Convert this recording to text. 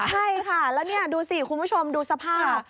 ใช่ค่ะแล้วนี่ดูสิคุณผู้ชมดูสภาพ